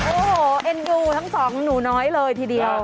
โอ้โหเอ็นดูทั้งสองหนูน้อยเลยทีเดียว